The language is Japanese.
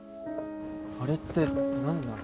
あれって何なの？